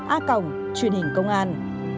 a cổng truyện hình công an